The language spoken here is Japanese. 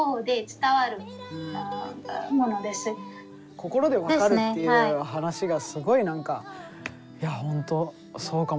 心で分かるっていう話がすごい何かいや本当そうかもなって思って。